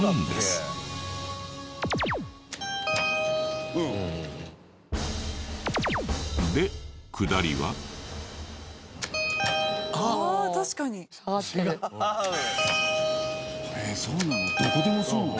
どこでもそうなのかな？